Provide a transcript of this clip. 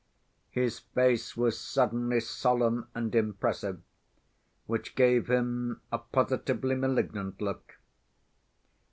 His face was suddenly solemn and impressive, which gave him a positively malignant look.